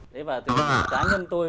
đấy và cá nhân tôi